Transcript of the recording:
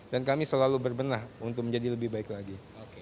dan kami selalu berbenah untuk menjadi lebih baik lagi